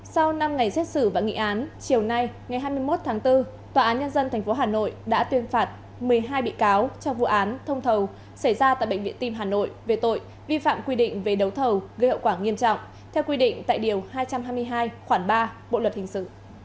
sau năm ngày xét xử và nghị án chiều nay ngày hai mươi một tháng bốn tòa án nhân dân tp hà nội đã tuyên phạt một mươi hai bị cáo trong vụ án thông thầu xảy ra tại bệnh viện tim hà nội về tội vi phạm quy định về đấu thầu gây hậu quả nghiêm trọng theo quy định tại điều hai trăm hai mươi hai khoảng ba bộ luật hình sự